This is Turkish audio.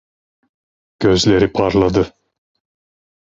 Gözleri parladı.